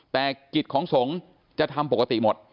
แต่กิจของสงฆ์จะทำปกติหมด